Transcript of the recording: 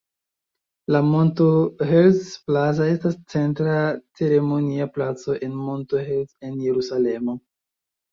La Monto Herzl Plaza estas centra ceremonia placo en Monto Herzl en Jerusalemo.